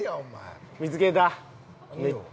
見つけた。